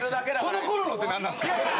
・この頃のって何なんですか？